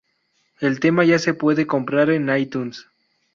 El tema ya se puede comprar en Itunes!!